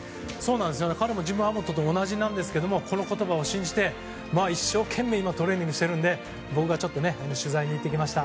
彼もジム・アボットと同じなんですがこの言葉を信じて一生懸命今トレーニングしてるので僕が取材に行ってきました。